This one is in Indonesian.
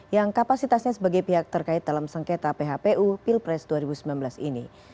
yang kapasitasnya sebagai pihak terkait dalam sengketa phpu pilpres dua ribu sembilan belas ini